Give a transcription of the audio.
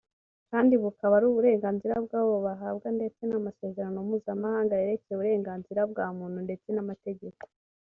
kandi bukaba ari n’uburenganzira bwabo bahabwa ndetse n’amasezerano mpuzamhanga yerekeye uburenganzira bwa muntu ndetse n’amategeko